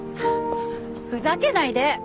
ふざけないで。